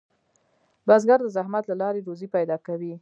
بزګر د زحمت له لارې روزي پیدا کوي